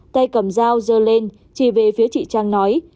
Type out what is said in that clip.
tay cầm dao dơ lên chỉ về phía chị trang nói